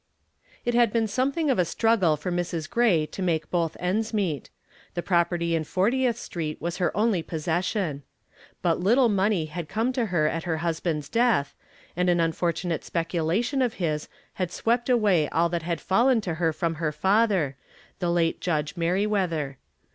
It had been something of a struggle for Mrs. Gray to make both ends meet. The property in Fortieth Street was her only possession. But little money had come to her at her husband's death, and an unfortunate speculation of his had swept away all that had fallen to her from her father, the late Judge Merriweather.